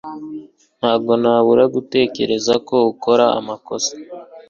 Ntabwo nabura gutekereza ko ukora amakosa